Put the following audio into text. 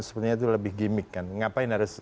sebenarnya itu lebih gimmick kan ngapain harus